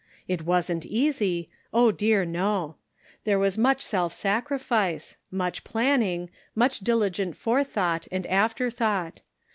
It wasn't easy ; oh, dear, no ! There was much self sacrifice, much plan ning, much diligent forethought and after thought.